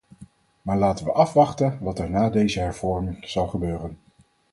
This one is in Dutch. Maar laten we afwachten wat er na deze hervorming zal gebeuren.